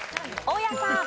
大家さん。